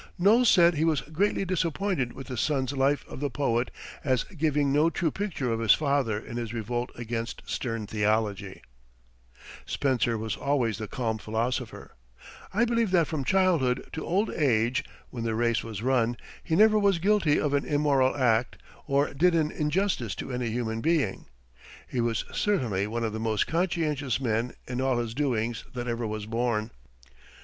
Knowles said he was greatly disappointed with the son's life of the poet as giving no true picture of his father in his revolt against stern theology. [Footnote 74: James Knowles, founder of Nineteenth Century.] Spencer was always the calm philosopher. I believe that from childhood to old age when the race was run he never was guilty of an immoral act or did an injustice to any human being. He was certainly one of the most conscientious men in all his doings that ever was born.